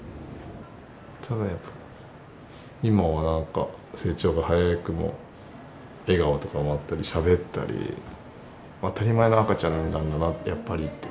ただやっぱ、今は成長が速くて、笑顔とかもあったり、しゃべったり、当たり前の赤ちゃんなんだな、やっぱりって。